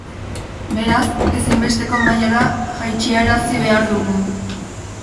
Beraz, ezinbesteko mailara jaitsarazi behar dugu.